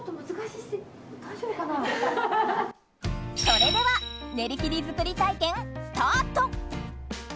それでは、練り切り作り体験スタート！